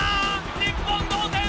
日本同点！